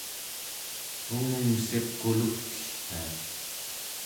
ungungssiq qulugtellria